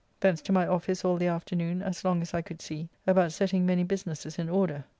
Thence to my office all the afternoon as long as I could see, about setting many businesses in order.